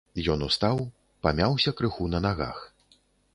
Ён устаў, памяўся крыху на нагах.